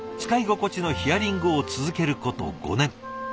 使い心地のヒアリングを続けること５年。